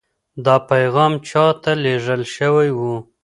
دا پیغام چا ته لېږل شوی و؟